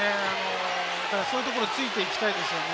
こういうところをついていきたいですね。